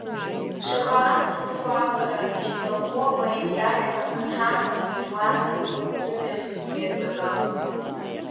Шаҟа аамҭа цо аҟара иџьбарахо апоет иажәа, аҽаанартуеит уаанӡа ҳгәы ззымҩаӡоз уи аҵакы.